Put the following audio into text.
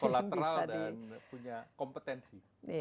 dan punya kompetensi